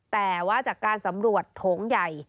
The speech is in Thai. แต่ว่าจากการสำรวจโถงใหญ่